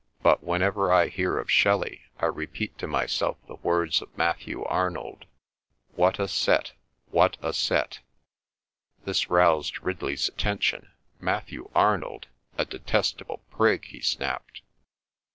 "But whenever I hear of Shelley I repeat to myself the words of Matthew Arnold, 'What a set! What a set!'" This roused Ridley's attention. "Matthew Arnold? A detestable prig!" he snapped.